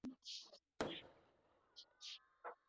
The art direction was by John Maybury, a college friend of Morris.